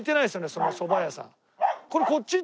その蕎麦屋さん。